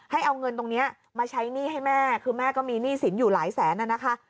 ให้เอาเงินตรงนี้มาใช้หนี้ให้แม่คือแม่ก็มีหนี้สินอยู่หลายแสนน่ะนะคะ